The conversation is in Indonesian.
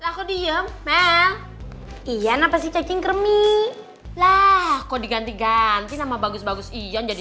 laku diem mel iyan apa sih cacing kremi lah kok diganti ganti nama bagus bagus iyan jadi